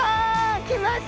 きました！